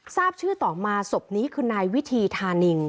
ทราบชื่อต่อมาศพนี้คือนายวิธีธานิน